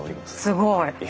すごい。